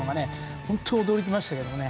本当に驚きましたね。